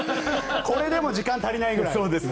これでも時間が足りないぐらい。